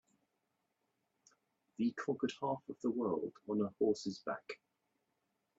The conquered half of the world on her horse's back.